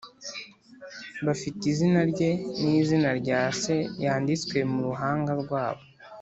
bafite izina rye n’izina rya Se yanditswe mu ruhanga rwabo.